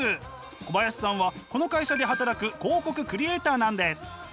小林さんはこの会社で働く広告クリエーターなんです。